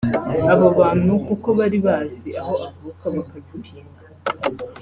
abo bantu kuko bari bazi aho avuka bakabipinga